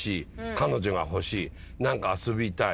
彼女が欲しい何か遊びたい。